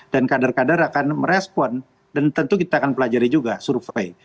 dan kader kader akan merespon dan tentu kita akan pelajari juga survei